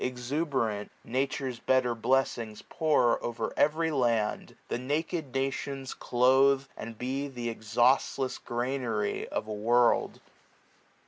Exuberant, Nature's better bleffings pour O'er every land ; the naked nations cloathe ; 75 And be th' exhaustless granary of a world.